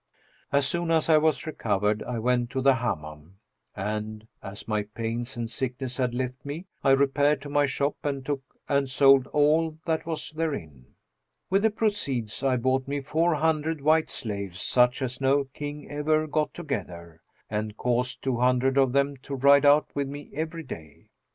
As soon as I was recovered I went to the Hammam and, as my pains and sickness had left me, I repaired to my shop and took and sold all that was therein. With the proceeds, I bought me four hundred white slaves, such as no King ever got together, and caused two hundred of them to ride out with me every day.